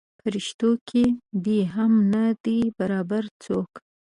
پریشتو کې دې هم نه دی برابر څوک.